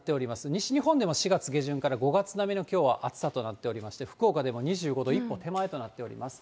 西日本でも４月下旬から５月並みのきょうは暑さとなっておりまして、福岡でも２５度一歩手前となっています。